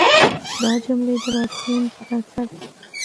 دا جملې د راتلونکي بنسټ دی.